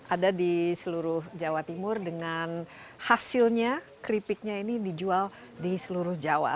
ada di seluruh jawa timur dengan hasilnya keripiknya ini dijual di seluruh jawa